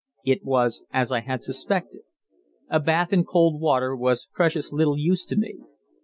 It was as I had suspected. A bath in cold water was precious little use to me.